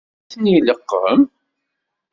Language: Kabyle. Ad ten-ileqqem?